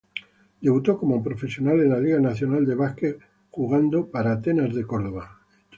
Debutó como profesional en la Liga Nacional de Básquet jugando para Atenas de Córdoba.